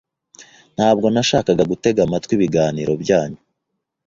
Ntabwo nashakaga gutega amatwi ibiganiro byanyu.